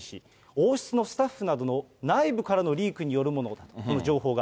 王室のスタッフなどの、内部からのリークによるもの、この情報が。